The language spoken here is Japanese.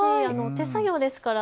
手作業ですから